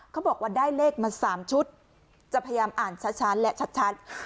เขาบอกว่าได้เลขมาสามชุดจะพยายามอ่านชัดชั้นแหละชัดชั้น